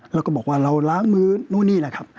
แล้วก็บอกว่าเราล้างมือนู่นนี่แหละครับ